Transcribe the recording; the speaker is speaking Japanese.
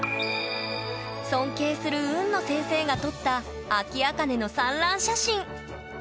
尊敬する海野先生が撮ったアキアカネの産卵写真。